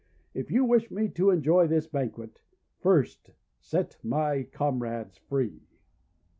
If you wish me to enjoy this banquet, first set my comrades free."